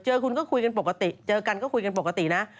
เจอคุณก็คุยกันปกติเจอกันก็คุยกันปกตินะ